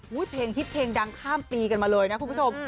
เพลงฮิตเพลงดังข้ามปีกันมาเลยนะคุณผู้ชม